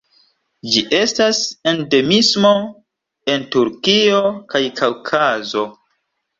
Ĝi estas endemismo en Turkio kaj Kaŭkazo.